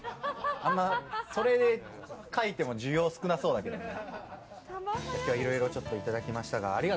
それで書いても需要少なそうだけどね。